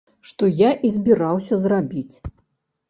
Што я і збіраўся зрабіць.